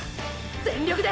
全力で！！